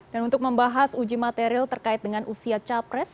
dan untuk membahas uji material terkait dengan usia capres